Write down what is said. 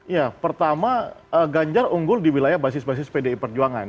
ya pertama ganjar unggul di wilayah basis basis pdi perjuangan